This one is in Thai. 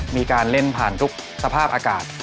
มีการเล่นผ่านทุกสภาพอากาศ